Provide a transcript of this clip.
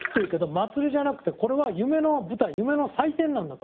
祭りじゃなくて、これは夢の舞台、夢の祭典なんだと。